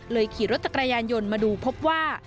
ขี่รถจักรยานยนต์มาดูพบว่า